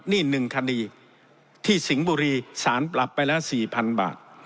นี่หนึ่งคดีที่สิงห์บุรีสารปรับไปละสี่พันบาท